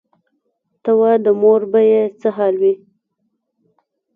ته وا د مور به یې څه حال وي.